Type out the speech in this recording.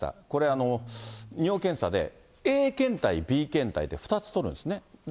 これ、尿検査でＡ検体、Ｂ検体と２つ取るんですね。